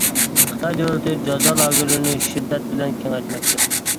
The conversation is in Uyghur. خىتاي دۆلىتى جازا لاگېرلىرىنى شىددەت بىلەن كېڭەيتمەكتە.